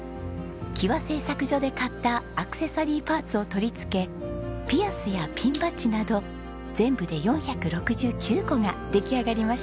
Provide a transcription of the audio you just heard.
貴和製作所で買ったアクセサリーパーツを取り付けピアスやピンバッジなど全部で４６９個が出来上がりました。